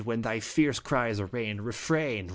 when thy fierce cries arraign. Refrain